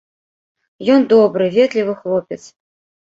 Ён добры, ветлівы хлопец.